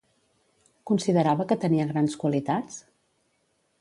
Considerava que tenia grans qualitats?